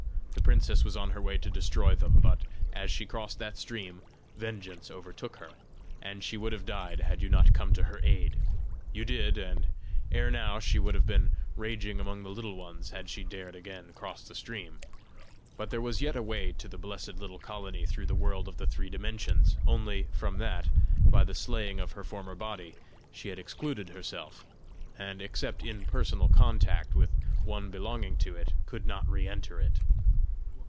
The princess was on her way to destroy them, but as she crossed that stream, vengeance overtook her, and she would have died had you not come to her aid. You did; and ere now she would have been raging among the Little Ones, had she dared again cross the stream. But there was yet a way to the blessed little colony through the world of the three dimensions; only, from that, by the slaying of her former body, she had excluded herself, and except in personal contact with one belonging to it, could not re enter it.